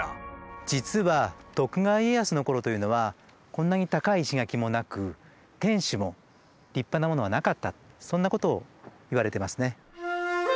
実は徳川家康の頃というのはこんなに高い石垣もなく天守も立派なものはなかったそんなことを言われてますね。